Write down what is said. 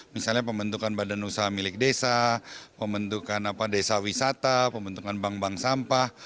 misalnya pembentukan badan usaha milik desa pembentukan desa wisata pembentukan bank bank sampah